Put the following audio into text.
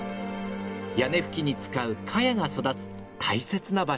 屋根葺きに使うカヤが育つ大切な場所。